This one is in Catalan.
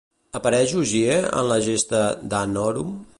Apareix Hogier en el Gesta Danorum?